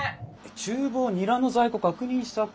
厨房ニラの在庫確認したっけ？